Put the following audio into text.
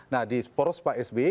nah di poros pak sby